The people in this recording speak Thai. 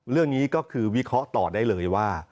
เรื่องนี้ก็คือวิเคราะห์ต่อได้เลยว่า